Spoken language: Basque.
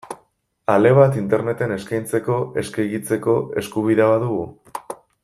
Ale bat Interneten eskaintzeko, eskegitzeko, eskubidea badugu?